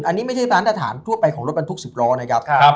อันนี้ไม่ใช่ร้านทหารทั่วไปของรถบรรทุก๑๐ล้อนะครับ